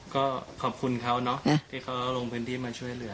ก็ขอบคุณเขาเนอะที่เขาลงพื้นที่มาช่วยเหลือ